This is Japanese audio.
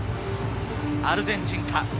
アルゼンチンか？